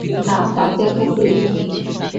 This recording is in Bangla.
না, দাঁত দেখার প্রয়োজন নেই।